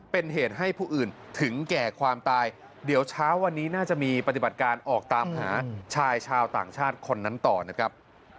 เป็นเหตุให้ผู้อื่นถึงแก่ความตายเดี๋ยวเช้าวันนี้น่าจะมีปฏิบัติการออกตามหาชายชาวต่างชาติคนนั้นต่อนะครับ